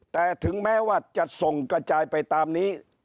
แต่ถึงแม้ว่าจะส่งกระจายไปตามนี้